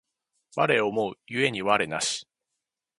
我思う故に我なし